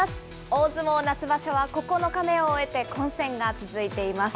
大相撲夏場所は９日目を終えて、混戦が続いています。